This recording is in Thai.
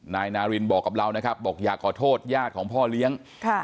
นายนารินบอกกับเรานะครับบอกอยากขอโทษญาติของพ่อเลี้ยง